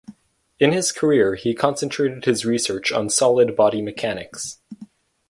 In his career he concentrated his research on Solid Body Mechanics.